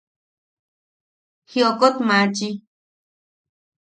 Jiokot machi.